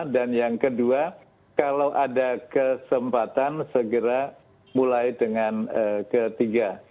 dan yang kedua kalau ada kesempatan segera mulai dengan ketiga